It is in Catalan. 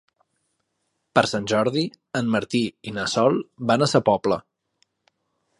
Per Sant Jordi en Martí i na Sol van a Sa Pobla.